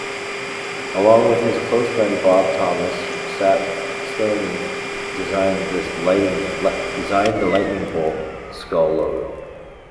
Along with his close friend Bob Thomas, Stanley designed the Lightning Bolt Skull Logo.